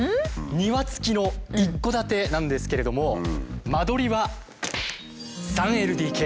庭付きの一戸建てなんですけれども間取りは３ＬＤＫ。